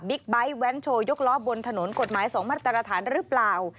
ไบท์แว้นโชว์ยกล้อบนถนนกฎหมาย๒มาตรฐานหรือเปล่า